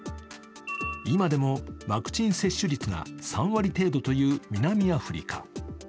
今でもワクチン接種率が３割程度という南アフリカ。